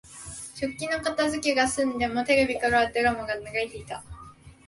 食器の片づけが済んでも、テレビからはドラマが流れていた。